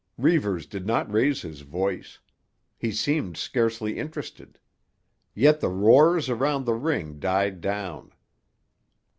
Reivers did not raise his voice. He seemed scarcely interested. Yet the roars around the ring died down.